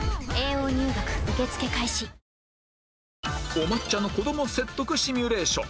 お抹茶の子ども説得シミュレーション